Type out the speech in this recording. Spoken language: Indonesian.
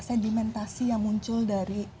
sedimentasi yang muncul dari